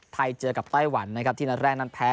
เจอกับไต้หวันนะครับที่นัดแรกนั้นแพ้